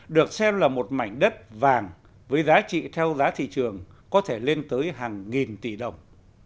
được xem là một mảnh đất vàng với giá trị theo giá thị trường có thể lên tới hàng nghìn tỷ đồng